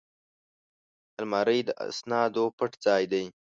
الماري د اسنادو پټ ځای دی